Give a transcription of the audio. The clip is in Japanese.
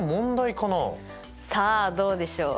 さあどうでしょう。